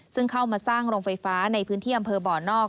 ซึ่งเข้ามาสร้างโรงไฟฟ้าในพื้นที่อำเภอบ่อนอก